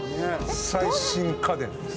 最新家電です！